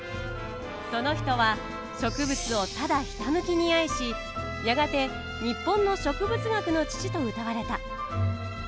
その人は植物をただひたむきに愛しやがて日本の植物学の父とうたわれた。